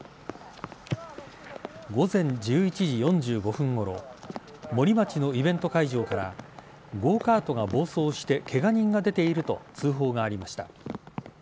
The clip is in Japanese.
午前１１時４５分ごろ森町のイベント会場からゴーカートが暴走してケガ人が出ていると通報がありました。